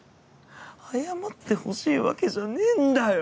謝ってほしいわけじゃねぇんだよ。